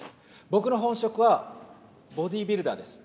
僕の本職は、ボディービルダーです。